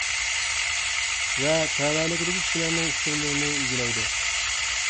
ۋە تەۋەلىكىدىكى كىشىلەرنىڭ ئۇچۇرلىرىنى ئىگىلەيدۇ.